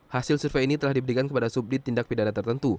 hasil survei ini telah diberikan kepada subdit tindak pidana tertentu